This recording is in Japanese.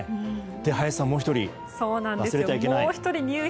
林さん、もう１人忘れてはいけない。